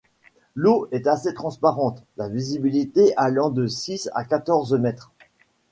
L'eau est assez transparente, la visibilité allant de six à quatorze mètres.